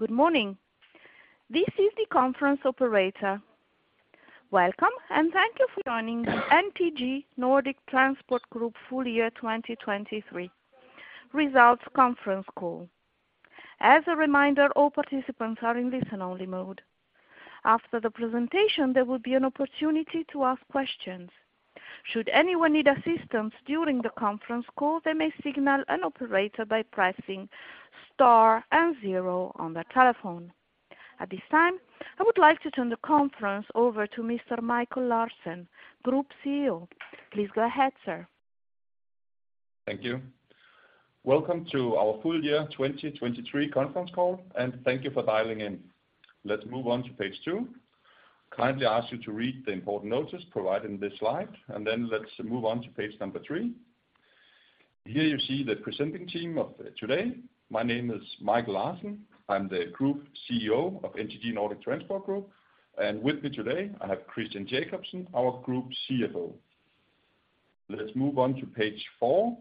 Good morning. This is the conference operator. Welcome, and thank you for joining the NTG Nordic Transport Group FY 2023 Results Conference Call. As a reminder, all participants are in listen-only mode. After the presentation, there will be an opportunity to ask questions. Should anyone need assistance during the conference call, they may signal an operator by pressing star and zero on their telephone. At this time, I would like to turn the conference over to Mr. Michael Larsen, Group CEO. Please go ahead, sir. Thank you. Welcome to our FY 2023 conference call, and thank you for dialing in. Let's move on to page two. Kindly ask you to read the important notice provided in this slide, and then let's move on to page number three. Here you see the presenting team of today. My name is Michael Larsen. I'm the Group CEO of NTG Nordic Transport Group, and with me today, I have Christian Jakobsen, our Group CFO. Let's move on to page four.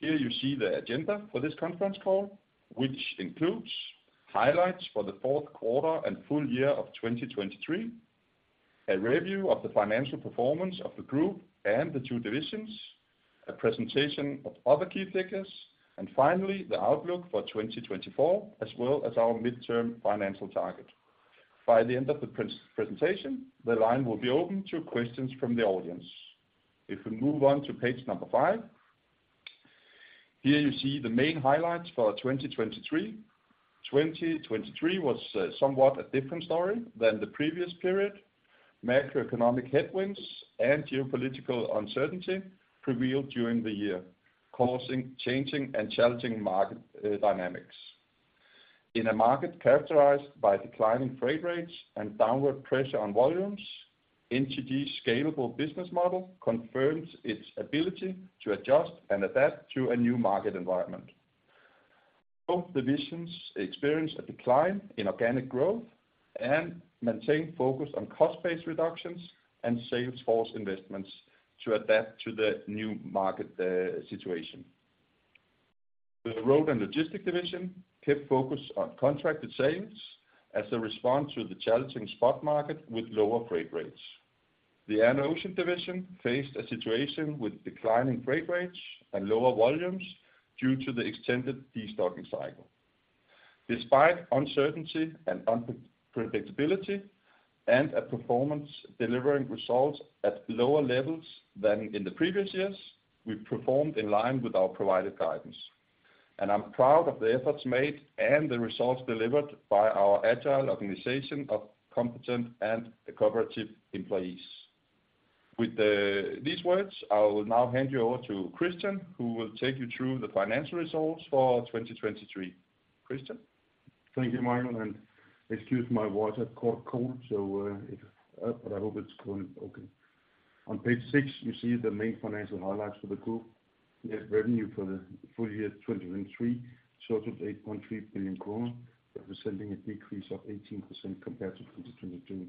Here you see the agenda for this conference call, which includes highlights for the fourth quarter and full year of 2023, a review of the financial performance of the group and the two divisions, a presentation of other key figures, and finally the outlook for 2024 as well as our midterm financial target. By the end of the presentation, the line will be open to questions from the audience. If we move on to page number five, here you see the main highlights for 2023. 2023 was somewhat a different story than the previous period. Macroeconomic headwinds and geopolitical uncertainty prevailed during the year, causing changing and challenging market dynamics. In a market characterized by declining freight rates and downward pressure on volumes, NTG's scalable business model confirms its ability to adjust and adapt to a new market environment. Both divisions experience a decline in organic growth and maintain focus on cost base reductions and sales force investments to adapt to the new market situation. The Road and Logistics division kept focus on contracted sales as a response to the challenging spot market with lower freight rates. The Air & Ocean division faced a situation with declining freight rates and lower volumes due to the extended destocking cycle. Despite uncertainty and unpredictability and a performance delivering results at lower levels than in the previous years, we performed in line with our provided guidance, and I'm proud of the efforts made and the results delivered by our agile organization of competent and cooperative employees. With these words, I will now hand you over to Christian, who will take you through the financial results for 2023. Christian? Thank you, Michael. Excuse my voice, cold, so it's up, but I hope it's going okay. On page 6, you see the main financial highlights for the group. Net revenue for the FY 2023 totaled 8.3 billion kroner, representing a decrease of 18% compared to 2022.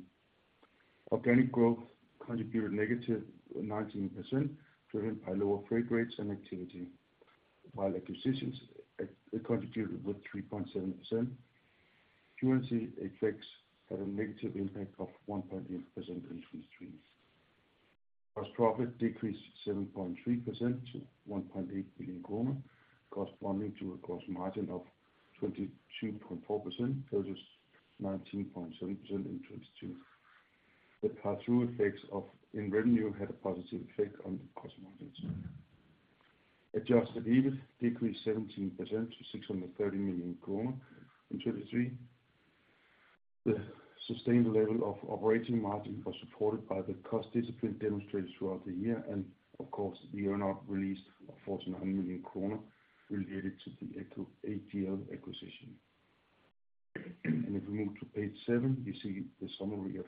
Organic growth contributed -19%, driven by lower freight rates and activity, while acquisitions contributed with 3.7%. Currency effects had a negative impact of -1.8% in 2023. Gross profit decreased 7.3% to 1.8 billion kroner, corresponding to a gross margin of 22.4%, so just 19.7% in 2022. The pass-through effects in revenue had a positive effect on gross margins. Adjusted EBIT decreased 17% to DKK 630 million in 2023. The sustained level of operating margin was supported by the cost discipline demonstrated throughout the year and, of course, the earnout release of 49 million kroner related to the AGL acquisition. If we move to page seven, you see the summary of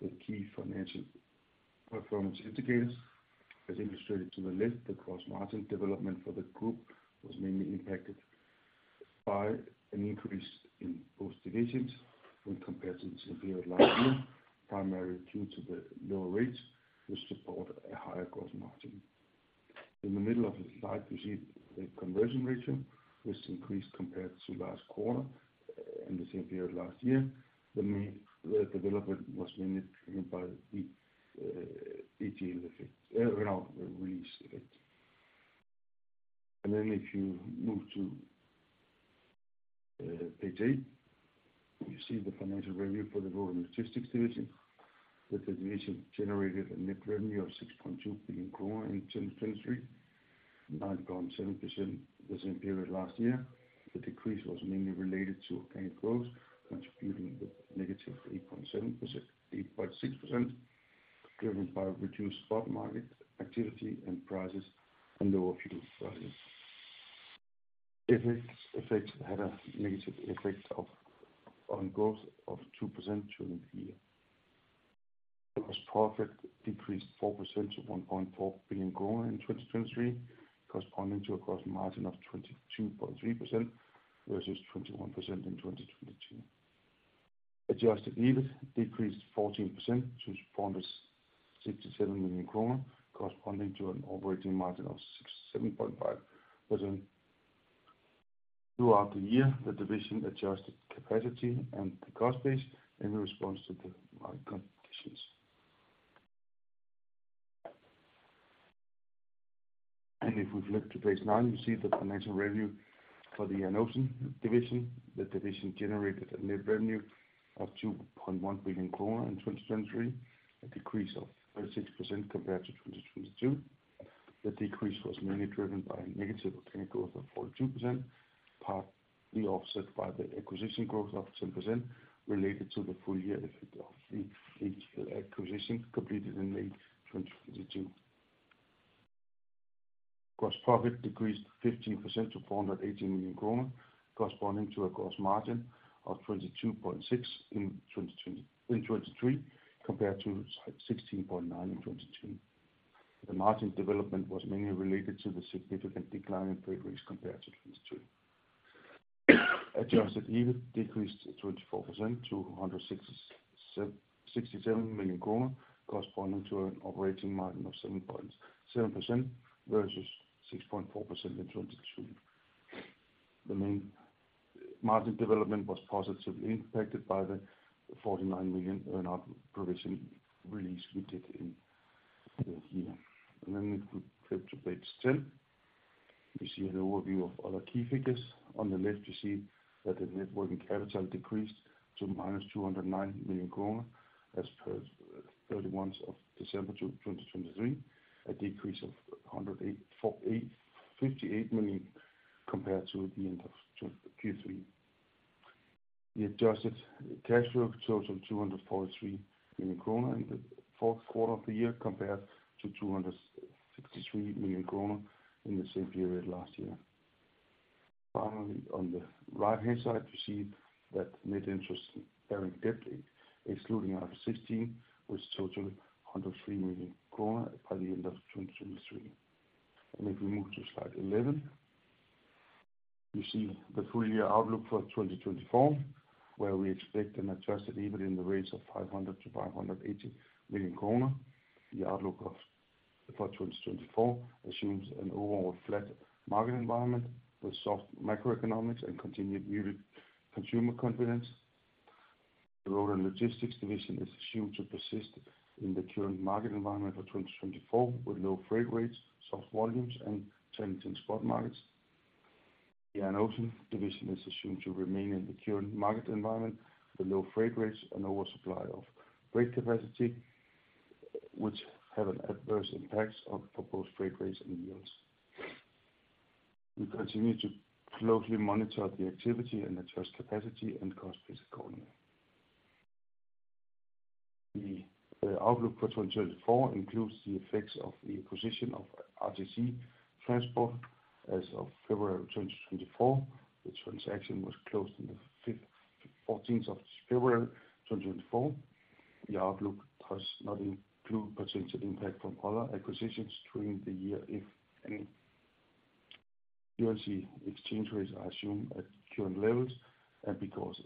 the key financial performance indicators. As illustrated to the left, the gross margin development for the group was mainly impacted by an increase in both divisions when compared to the same period last year, primarily due to the lower rates, which support a higher gross margin. In the middle of the slide, you see the conversion ratio, which increased compared to last quarter and the same period last year. The development was mainly driven by the AGL release effect. If you move to page eight, you see the financial review for the Road and Logistics division. The division generated a net revenue of 6.2 billion kroner in 2023, 9.7% the same period last year. The decrease was mainly related to organic growth, contributing with -8.6%, driven by reduced spot market activity and lower fuel prices. Effects had a negative effect on growth of 2% during the year. Gross profit decreased 4% to 1.4 billion kroner in 2023, corresponding to a gross margin of 22.3% versus 21% in 2022. Adjusted EBIT decreased 14% to 467 million kroner, corresponding to an operating margin of 7.5%. Throughout the year, the division adjusted capacity and the cost base in response to the market conditions. If we flip to page nine, you see the financial review for the Air & Ocean division. The division generated a net revenue of 2.1 billion kroner in 2023, a decrease of 36% compared to 2022. The decrease was mainly driven by a negative organic growth of 42%, partly offset by the acquisition growth of 10% related to the full year effect of the AGL acquisition completed in May 2022. Gross profit decreased 15% to 418 million kroner, corresponding to a gross margin of 22.6% in 2023 compared to 16.9% in 2022. The margin development was mainly related to the significant decline in freight rates compared to 2022. Adjusted EBIT decreased 24% to 167 million kroner, corresponding to an operating margin of 7.7% versus 6.4% in 2022. The main margin development was positively impacted by the 49 million earnout provision release we did in the year. And then if we flip to page 10, you see an overview of other key figures. On the left, you see that the net working capital decreased to minus 209 million kroner as per 31st of December 2023, a decrease of 58 million compared to the end of Q3. The adjusted cash flow totaled 243 million kroner in the fourth quarter of the year compared to 263 million kroner in the same period last year. Finally, on the right-hand side, you see that net interest bearing debt, excluding IFRS 16, was totaled 103 million kroner by the end of 2023. If we move to slide 11, you see the full year outlook for 2024, where we expect an Adjusted EBIT in the range of 500 million-580 million kroner. The outlook for 2024 assumes an overall flat market environment with soft macroeconomics and continued muted consumer confidence. The Road and Logistics division is assumed to persist in the current market environment for 2024 with low freight rates, soft volumes, and challenging spot markets. The Air & Ocean division is assumed to remain in the current market environment with low freight rates and oversupply of freight capacity, which have adverse impacts for both freight rates and yields. We continue to closely monitor the activity and adjust capacity and cost base accordingly. The outlook for 2024 includes the effects of the acquisition of RTC Transport as of February 2024. The transaction was closed on the 14th of February 2024. The outlook does not include potential impact from other acquisitions during the year, if any. Currency exchange rates are assumed at current levels, and because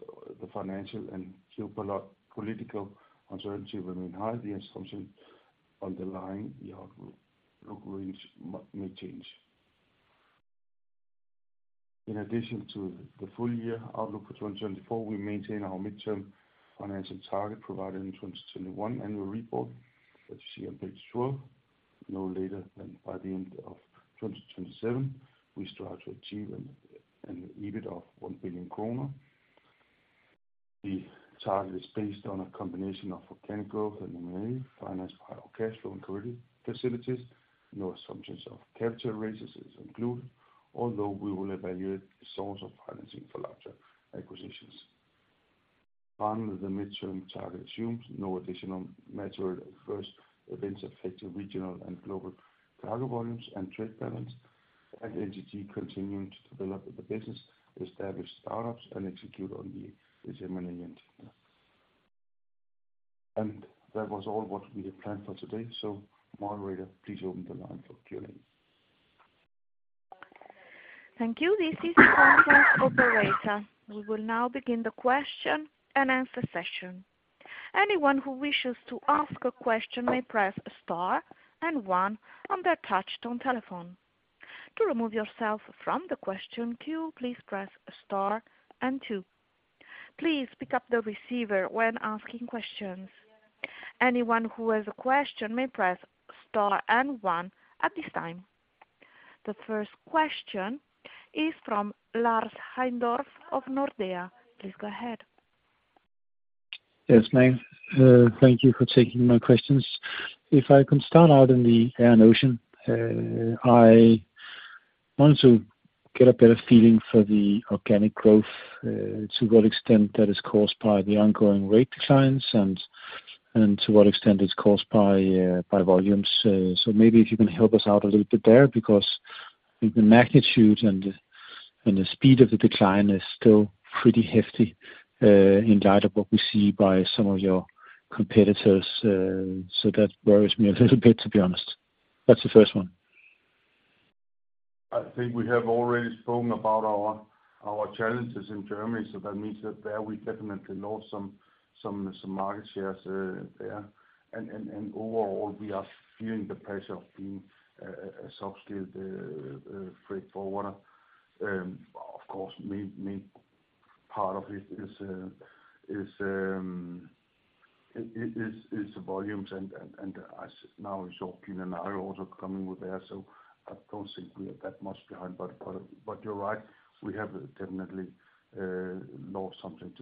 the financial and geopolitical uncertainty remain high, the assumption underlying the outlook range may change. In addition to the full year outlook for 2024, we maintain our midterm financial target provided in 2021 annual report that you see on page 12. No later than by the end of 2027, we strive to achieve an EBIT of 1 billion kroner. The target is based on a combination of organic growth and M&A, financed by our cash flow and credit facilities. No assumptions of capital raises are included, although we will evaluate the source of financing for larger acquisitions. Finally, the midterm target assumes no additional material adverse events affecting regional and global cargo volumes and trade balance, and NTG continuing to develop the business, establish startups, and execute on the M&A agenda. That was all what we had planned for today. Moderator, please open the line for Q&A. Thank you. This is the conference operator. We will now begin the question and answer session. Anyone who wishes to ask a question may press star and one on their touch-tone telephone. To remove yourself from the question queue, please press star and two. Please pick up the receiver when asking questions. Anyone who has a question may press star and one at this time. The first question is from Lars Heindorff of Nordea. Please go ahead. Yes, ma'am. Thank you for taking my questions. If I can start out in the Air & Ocean, I wanted to get a better feeling for the organic growth, to what extent that is caused by the ongoing rate declines and to what extent it's caused by volumes. So maybe if you can help us out a little bit there because I think the magnitude and the speed of the decline is still pretty hefty in light of what we see by some of your competitors. So that worries me a little bit, to be honest. That's the first one. I think we have already spoken about our challenges in Germany, so that means that there we definitely lost some market shares there. Overall, we are feeling the pressure of being a subscaled freight forwarder. Of course, main part of it is the volumes. Now we saw Panalpina also coming with there, so I don't think we are that much behind. But you're right. We have definitely lost something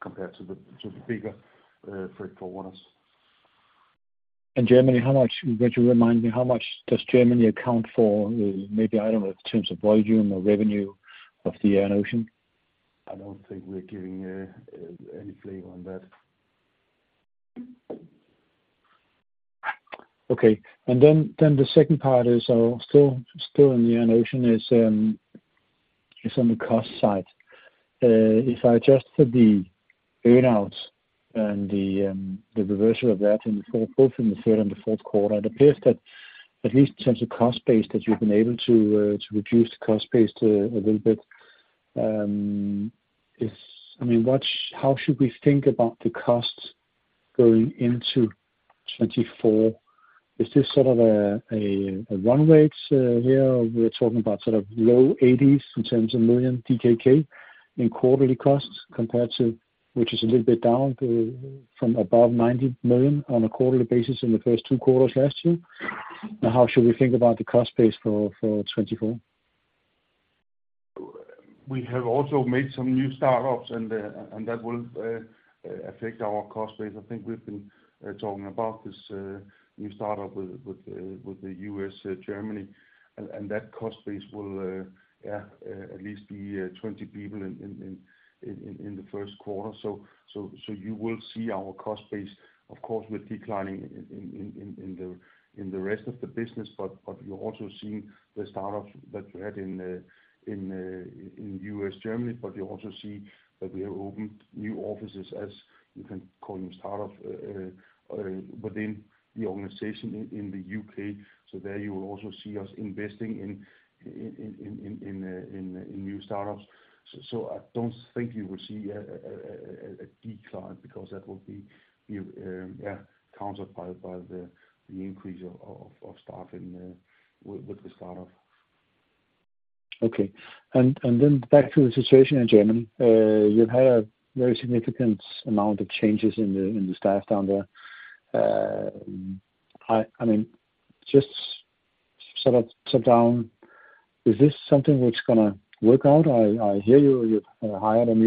compared to the bigger freight forwarders. Germany, would you remind me how much does Germany account for? Maybe I don't know in terms of volume or revenue of the Air Ocean. I don't think we're giving any flavor on that. Okay. And then the second part is still in the Air & Ocean is on the cost side. If I adjust for the earnouts and the reversal of that both in the third and the fourth quarter, it appears that at least in terms of cost base, that you've been able to reduce the cost base a little bit. I mean, how should we think about the costs going into 2024? Is this sort of a run rate here? We're talking about sort of low 80s in terms of million DKK in quarterly costs compared to, which is a little bit down from above 90 million on a quarterly basis in the first two quarters last year. Now, how should we think about the cost base for 2024? We have also made some new startups, and that will affect our cost base. I think we've been talking about this new startup with the U.S., Germany. And that cost base will, yeah, at least be 20 people in the first quarter. So you will see our cost base, of course, with declining in the rest of the business. But you're also seeing the startups that you had in the U.S., Germany. But you also see that we have opened new offices, as you can call them, startups within the organization in the U.K. So there you will also see us investing in new startups. So I don't think you will see a decline because that will be, yeah, countered by the increase of staff with the startup. Okay. And then back to the situation in Germany. You've had a very significant amount of changes in the staff down there. I mean, just sort of top down, is this something which is going to work out? I hear you hired some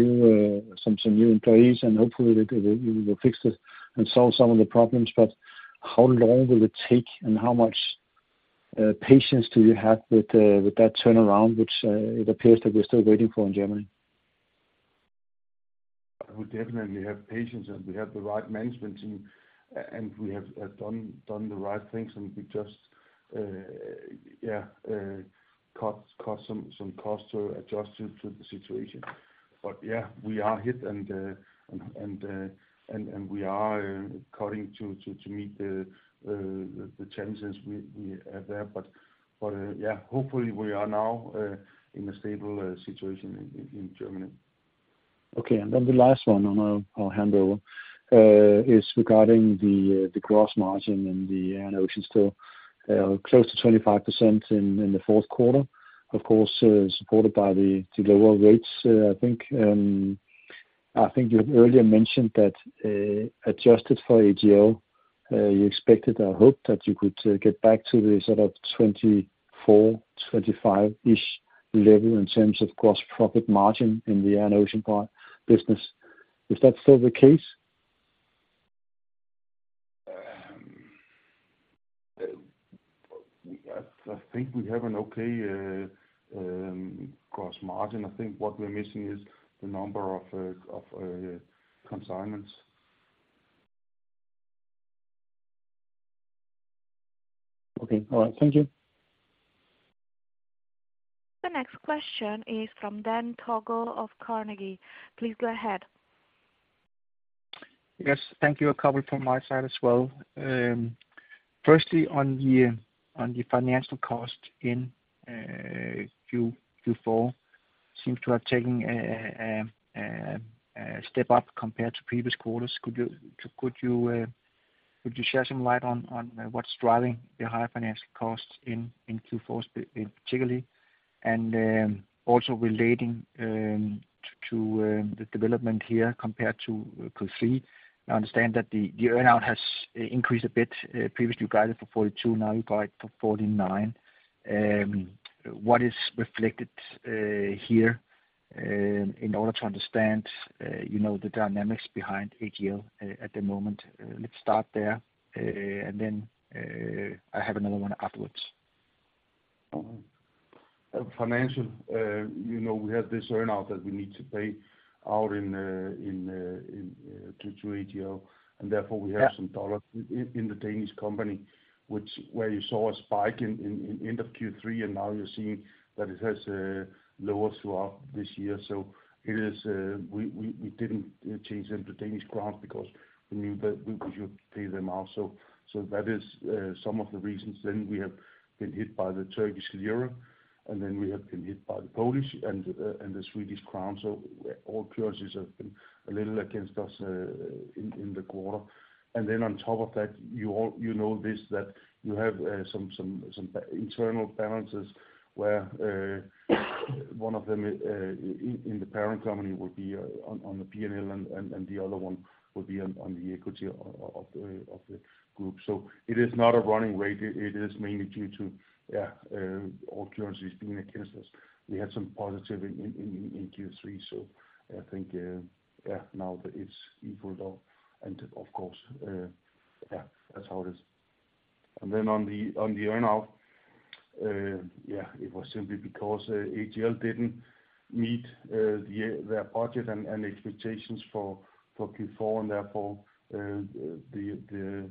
new employees, and hopefully, you will fix this and solve some of the problems. But how long will it take, and how much patience do you have with that turnaround, which it appears that we're still waiting for in Germany? We definitely have patience, and we have the right management team, and we have done the right things. And we just, yeah, caught some costs to adjust to the situation. But yeah, we are hit, and we are cutting to meet the challenges we have there. But yeah, hopefully, we are now in a stable situation in Germany. Okay. And then the last one, and I'll hand over, is regarding the gross margin in the Air & Ocean, still close to 25% in the fourth quarter, of course, supported by the lower rates, I think. I think you had earlier mentioned that adjusted for AGL, you expected or hoped that you could get back to the sort of 2024, 2025-ish level in terms of gross profit margin in the Air & Ocean business. Is that still the case? I think we have an okay gross margin. I think what we're missing is the number of consignments. Okay. All right. Thank you. The next question is from Dan Togo of Carnegie. Please go ahead. Yes. Thank you. A couple from my side as well. Firstly, on the financial cost in Q4, seems to have taken a step up compared to previous quarters. Could you shed some light on what's driving the high financial costs in Q4 particularly, and also relating to the development here compared to Q3? I understand that the Earnout has increased a bit. Previously, you guided for $42. Now, you guide for $49. What is reflected here in order to understand the dynamics behind AGL at the moment? Let's start there, and then I have another one afterwards. Financially, we have this earnout that we need to pay out to AGL, and therefore, we have some dollars in the Danish company, where you saw a spike at the end of Q3, and now you're seeing that it has lowered throughout this year. So we didn't change them to Danish crowns because we knew that we should pay them out. So that is some of the reasons. Then we have been hit by the Turkish lira, and then we have been hit by the Polish and the Swedish crown. So all currencies have been a little against us in the quarter. And then on top of that, you know this, that you have some internal balances where one of them in the parent company would be on the P&L, and the other one would be on the equity of the group. So it is not a running rate. It is mainly due to, yeah, all currencies being against us. We had some positive in Q3, so I think, yeah, now it's equaled out. And of course, yeah, that's how it is. And then on the Earnout, yeah, it was simply because AGL didn't meet their budget and expectations for Q4, and therefore, the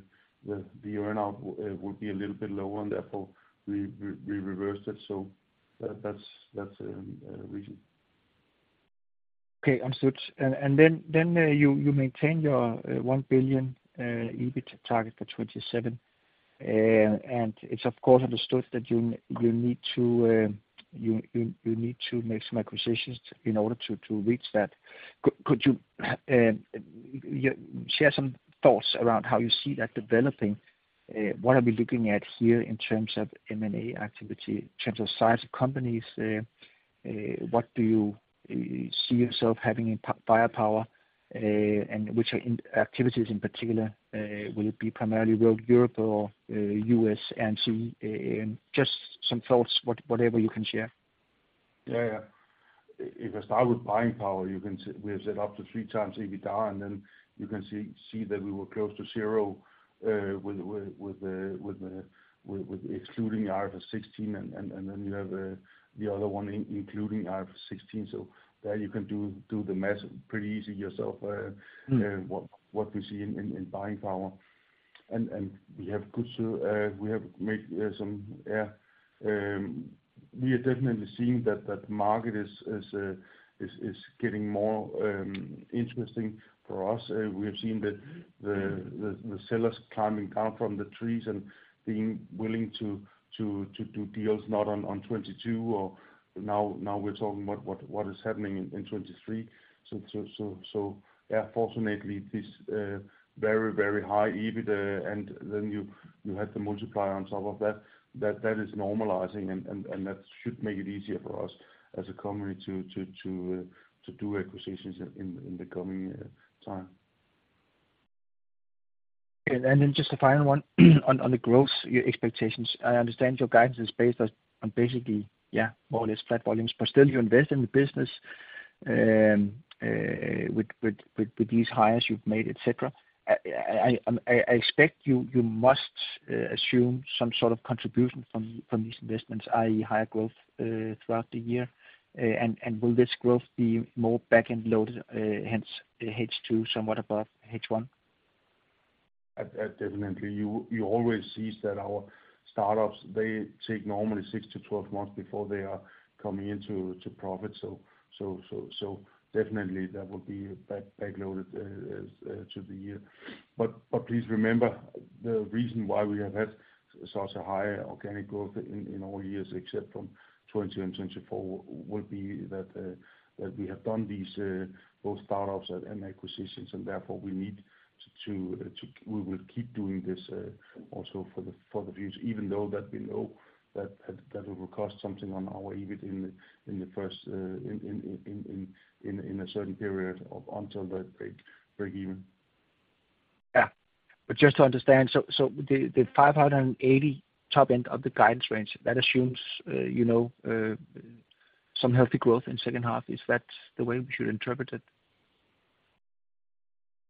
Earnout would be a little bit lower, and therefore, we reversed it. So that's a reason. Okay. Understood. And then you maintain your 1 billion EBIT target for 2027. And it's, of course, understood that you need to make some acquisitions in order to reach that. Could you share some thoughts around how you see that developing? What are we looking at here in terms of M&A activity, in terms of size of companies? What do you see yourself having in firepower, and which activities in particular? Will it be primarily Nord Europe or US, A&O? Just some thoughts, whatever you can share. Yeah, yeah. If I start with buying power, we have set up to 3x EBITDA, and then you can see that we were close to zero with excluding IFRS 16, and then you have the other one including IFRS 16. So there you can do the math pretty easy yourself, what we see in buying power. And we have good we have made some yeah. We are definitely seeing that the market is getting more interesting for us. We have seen the sellers climbing down from the trees and being willing to do deals not on 2022, or now we're talking what is happening in 2023. So yeah, fortunately, this very, very high EBIT, and then you have the multiplier on top of that, that is normalizing, and that should make it easier for us as a company to do acquisitions in the coming time. Then just the final one on the growth expectations. I understand your guidance is based on basically, yeah, more or less flat volumes, but still, you invest in the business with these hires you've made, etc. I expect you must assume some sort of contribution from these investments, i.e., higher growth throughout the year. Will this growth be more back-end loaded, hence H2 somewhat above H1? Definitely. You always see that our startups, they take normally six to 12 months before they are coming into profit. So definitely, that will be backloaded to the year. But please remember, the reason why we have had such a high organic growth in all years, except from 2020 and 2024, will be that we have done both startups and acquisitions, and therefore, we need to we will keep doing this also for the future, even though that we know that it will cost something on our EBIT in the first in a certain period until the breakeven. Yeah. But just to understand, so the 580 top end of the guidance range, that assumes some healthy growth in second half. Is that the way we should interpret it?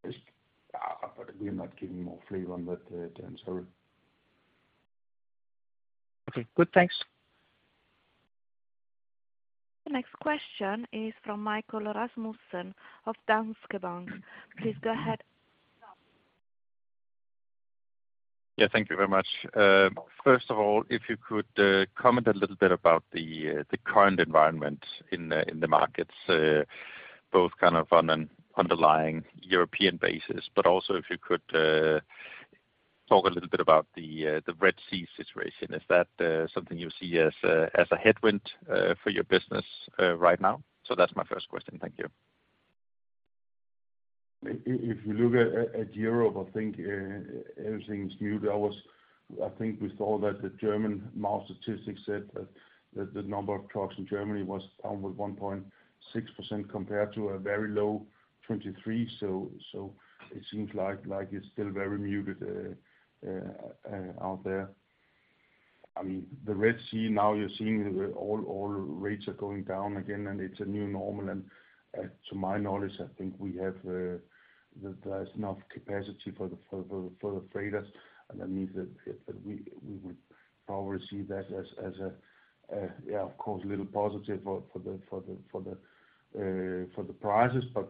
But we are not giving more flavor on that, Dan Togo. Okay. Good. Thanks. The next question is from Michael Rasmussen of Danske Bank. Please go ahead. Yeah. Thank you very much. First of all, if you could comment a little bit about the current environment in the markets, both kind of on an underlying European basis, but also if you could talk a little bit about the Red Sea situation. Is that something you see as a headwind for your business right now? So that's my first question. Thank you. If you look at Europe, I think everything's muted. I think we saw that the German Maut statistics said that the number of trucks in Germany was down with 1.6% compared to a very low 2023. So it seems like it's still very muted out there. I mean, the Red Sea, now you're seeing all rates are going down again, and it's a new normal. And to my knowledge, I think we have there's enough capacity for the freighters. And that means that we would probably see that as a, yeah, of course, little positive for the prices, but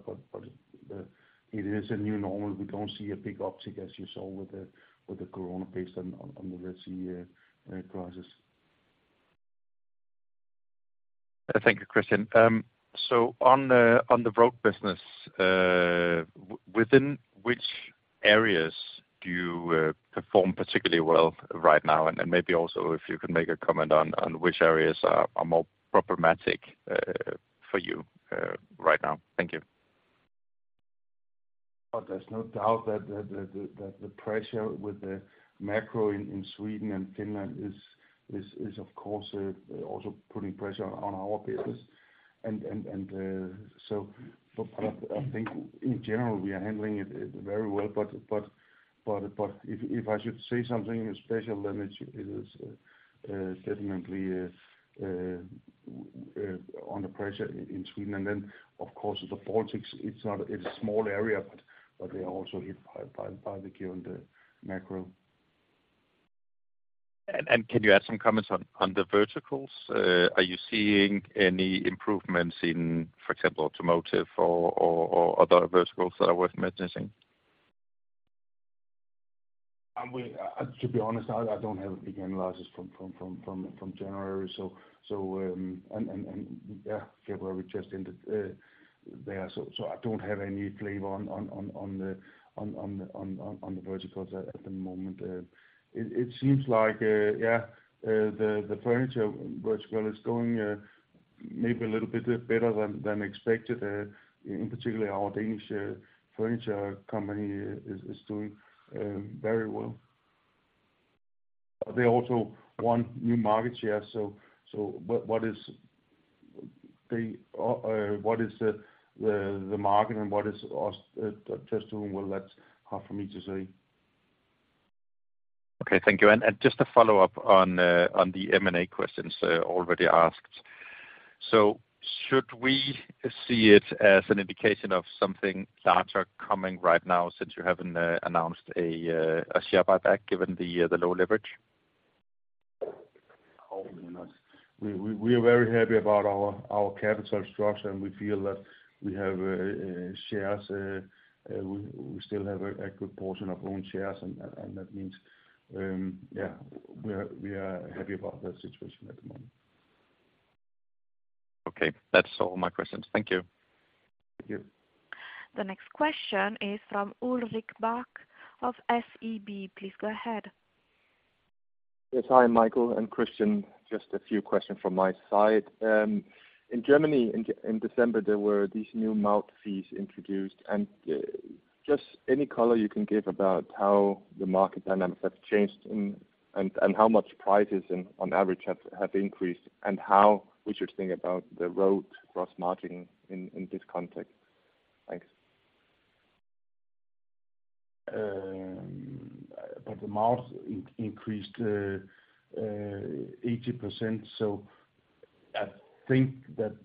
it is a new normal. We don't see a big uptick, as you saw, with the corona based on the Red Sea crisis. Thank you, Christian. On the road business, within which areas do you perform particularly well right now? And maybe also, if you can make a comment on which areas are more problematic for you right now. Thank you. There's no doubt that the pressure with the macro in Sweden and Finland is, of course, also putting pressure on our business. And so I think, in general, we are handling it very well. But if I should say something in special, then it is definitely under pressure in Sweden. And then, of course, the Baltics, it's a small area, but they are also hit by the current macro. Can you add some comments on the verticals? Are you seeing any improvements in, for example, automotive or other verticals that are worth mentioning? To be honest, I don't have a big analysis from January, so. Yeah, February, we just ended there. I don't have any flavor on the verticals at the moment. It seems like, yeah, the furniture vertical is going maybe a little bit better than expected, in particular, our Danish furniture company is doing very well. They also won new market share. So what is the market, and what is us just doing well, that's hard for me to say. Okay. Thank you. And just to follow up on the M&A questions already asked, so should we see it as an indication of something larger coming right now since you haven't announced a share buyback given the low leverage? Oh, my goodness. We are very happy about our capital structure, and we feel that we have shares. We still have a good portion of owned shares, and that means, yeah, we are happy about that situation at the moment. Okay. That's all my questions. Thank you. Thank you. The next question is from Ulrik Bak of SEB. Please go ahead. Yes. Hi, Michael and Christian. Just a few questions from my side. In Germany, in December, there were these new Maut fees introduced. Just any color you can give about how the market dynamics have changed and how much prices, on average, have increased and how we should think about the road gross margin in this context. Thanks. But the Maut increased 80%. So I think that,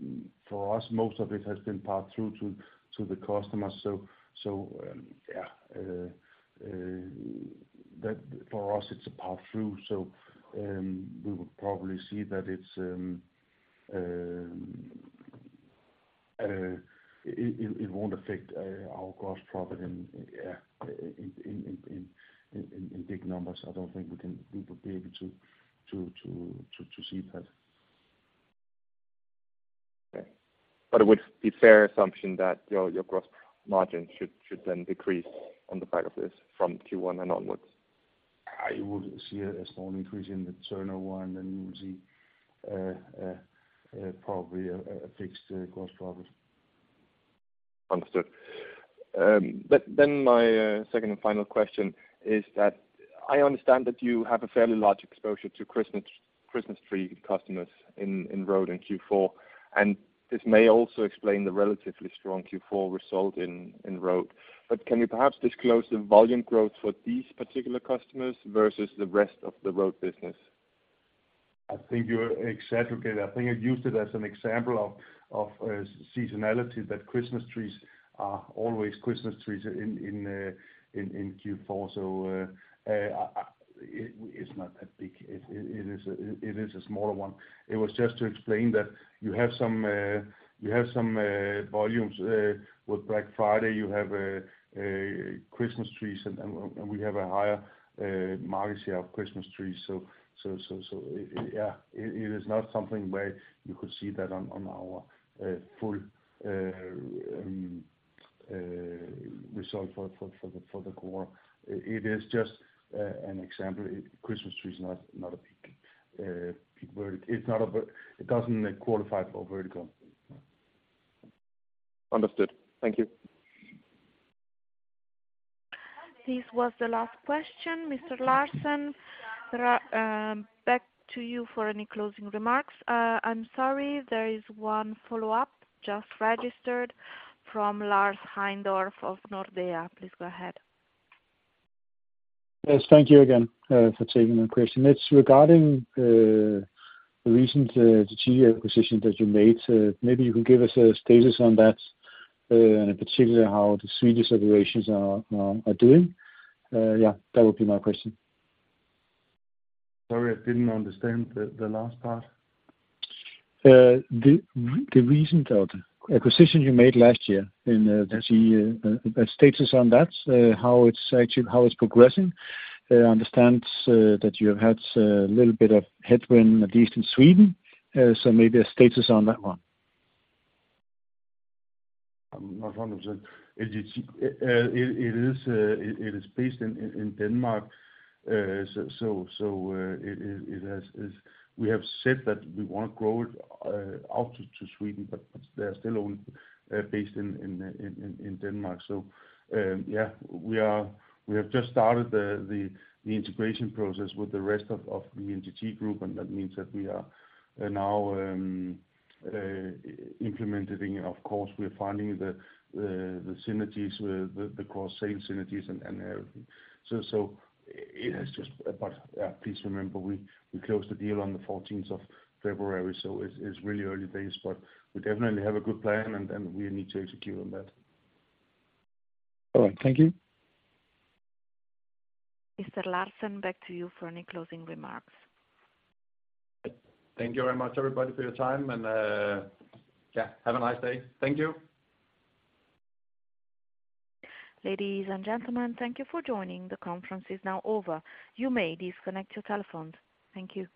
for us, most of it has been passed through to the customers. So yeah, for us, it's a pass-through. So we would probably see that it won't affect our gross profit in, yeah, in big numbers. I don't think we would be able to see that. Okay. But it would be a fair assumption that your gross margin should then decrease on the back of this from Q1 and onwards? I would see a small increase in the turnover, and then you will see probably a fixed gross profit. Understood. Then my second and final question is that I understand that you have a fairly large exposure to Christmas tree customers in road in Q4, and this may also explain the relatively strong Q4 result in road. But can you perhaps disclose the volume growth for these particular customers versus the rest of the road business? I think you're exactly right. I think I used it as an example of seasonality, that Christmas trees are always Christmas trees in Q4. So it's not that big. It is a smaller one. It was just to explain that you have some volumes. With Black Friday, you have Christmas trees, and we have a higher market share of Christmas trees. So yeah, it is not something where you could see that on our full result for the quarter. It is just an example. Christmas tree is not a big vertical. It doesn't qualify for a vertical. Understood. Thank you. This was the last question, Mr. Larsen. Back to you for any closing remarks. I'm sorry. There is one follow-up just registered from Lars Heindorff of Nordea. Please go ahead. Yes. Thank you again for taking the question. It's regarding the recent RTC acquisition that you made. Maybe you can give us a status on that, and in particular, how the Swedish operations are doing. Yeah, that would be my question. Sorry, I didn't understand the last part. The recent acquisition you made last year in the RTC, a status on that, how it's progressing? I understand that you have had a little bit of headwind, at least in Sweden. So maybe a status on that one. I'm not 100%. It is based in Denmark, so we have said that we want to grow it out to Sweden, but they are still only based in Denmark. So yeah, we have just started the integration process with the rest of the NTG Group, and that means that we are now implementing. And of course, we are finding the synergies, the cross-sale synergies, and everything. So it has just but yeah, please remember, we closed the deal on the 14th of February, so it's really early days. But we definitely have a good plan, and we need to execute on that. All right. Thank you. Mr. Larsen, back to you for any closing remarks. Thank you very much, everybody, for your time. And yeah, have a nice day. Thank you. Ladies and gentlemen, thank you for joining. The conference is now over. You may disconnect your telephone. Thank you.